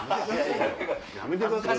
やめてください！